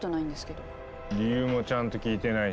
理由もちゃんと聞いてないし。